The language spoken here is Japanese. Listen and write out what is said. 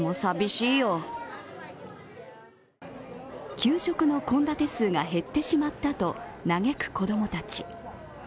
給食の献立数が減ってしまったと嘆く子供たち。